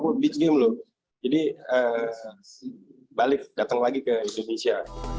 oh beach game loh jadi balik datang lagi ke indonesia